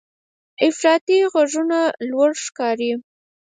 افراطي غږونه لوړ ښکاري.